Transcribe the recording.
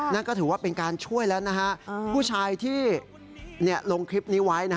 นั่นก็ถือว่าเป็นการช่วยแล้วนะฮะผู้ชายที่ลงคลิปนี้ไว้